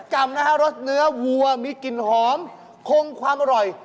กรรมนะฮะรสเนื้อวัวมีกลิ่นหอมคงความอร่อย